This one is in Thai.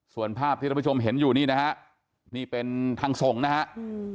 ส่วนภาพที่เราผู้ชมเห็นอยู่นี่นะครับนี่เป็นทางส่งนะครับ